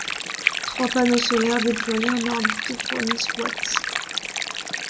Trois panneaux solaires déployés en orbite fournissent watts.